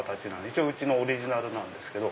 一応うちのオリジナルなんですけど。